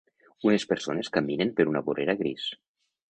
Unes persones caminen per una vorera gris